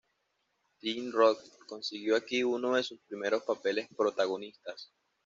Tim Roth consiguió aquí uno de sus primeros papeles protagonistas.